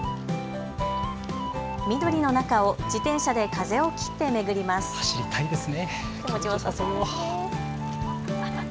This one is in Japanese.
緑の中を自転車で風を切って巡ります。